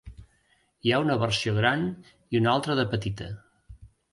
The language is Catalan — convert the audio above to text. Hi ha una versió gran i una altra de petita.